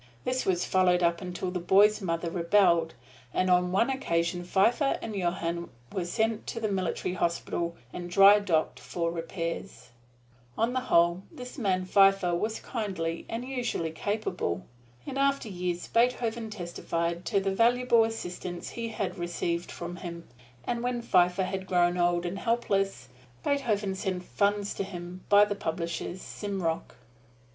This was followed up until the boy's mother rebelled, and on one occasion Pfeiffer and Johann were sent to the military hospital and dry docked for repairs. On the whole, this man Pfeiffer was kindly and usually capable. In after years Beethoven testified to the valuable assistance he had received from him; and when Pfeiffer had grown old and helpless, Beethoven sent funds to him by the publishers, Simrock.